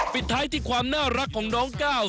ปิดท้ายที่ความน่ารักของน้องก้าว